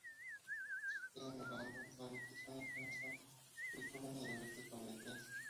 Se queda mirando la habitación, pensando, y coge una libreta con letras.